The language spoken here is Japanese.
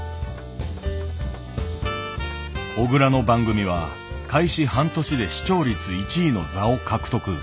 小倉の番組は開始半年で視聴率１位の座を獲得。